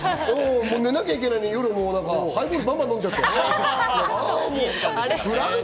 寝なきゃいけないのに夜もハイボール、バンバン飲んじゃって。